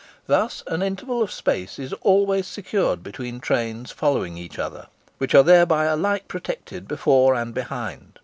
Thus an interval of space is always secured between trains following each other, which are thereby alike protected before and behind.